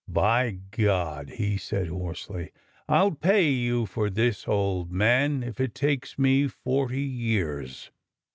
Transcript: " By God !'' he said hoarsely, '' I dl pay you for this, old man, if it takes me forty years